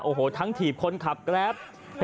โอ้โหทั้งถีบคนขับแกรป